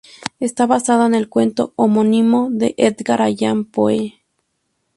Está basada en el cuento homónimo de Edgar Allan Poe.